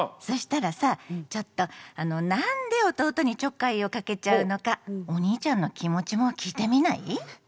そしたらさちょっとなんで弟にちょっかいをかけちゃうのかお兄ちゃんの気持ちも聞いてみない？